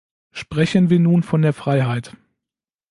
Sprechen wir nun von der Freiheit.